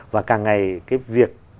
và càng ngày cái việc